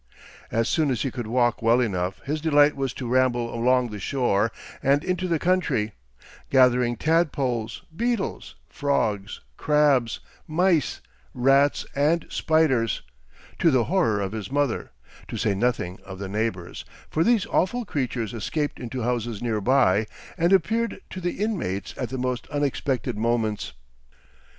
As soon as he could walk well enough his delight was to ramble along the shore and into the country, gathering tadpoles, beetles, frogs, crabs, mice, rats, and spiders, to the horror of his mother, to say nothing of the neighbors, for these awful creatures escaped into houses near by and appeared to the inmates at the most unexpected moments.